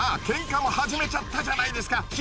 けんかを始めちゃったじゃないですか。